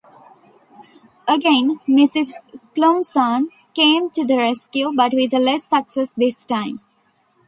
Again Mrs Klussmann came to the rescue, but with less success this time.